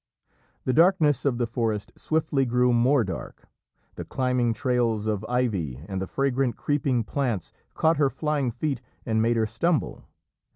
The darkness of the forest swiftly grew more dark. The climbing trails of ivy and the fragrant creeping plants caught her flying feet and made her stumble.